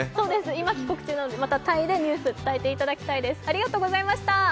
今、帰国中なので、またタイでニュースを伝えていただきます。